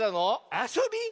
あそび？